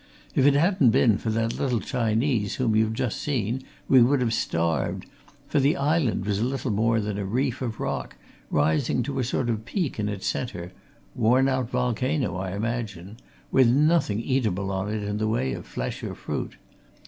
If it hadn't been for that little Chinese whom you've just seen we would have starved, for the island was little more than a reef of rock, rising to a sort of peak in its centre worn out volcano, I imagine and with nothing eatable on it in the way of flesh or fruit.